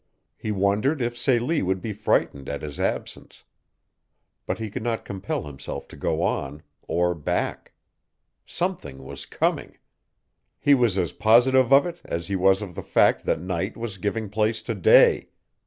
He wondered if Celie would be frightened at his absence. But he could not compel himself to go on or back. SOMETHING WAS COMING! He was as positive of it as he was of the fact that night was giving place to day.